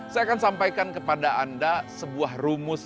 saya akan sampaikan kepada anda sebuah rumus yang sangat penting